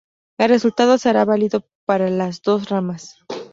El resultado será válido para las dos ramas.